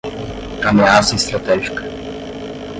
ameaça estratégica